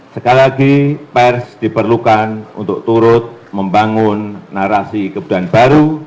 sekali lagi pers diperlukan untuk turut membangun narasi kebudayaan baru